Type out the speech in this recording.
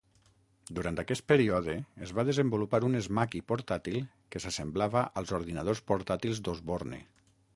Durant aquest període es va desenvolupar un Smaky portàtil que s'assemblava als ordinadors portàtils d'Osborne.